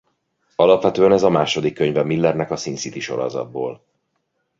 Alapvetően ez a második könyve Millernek a Sin City sorozatból.